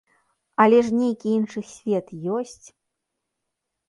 Але ж нейкі іншы свет ёсць!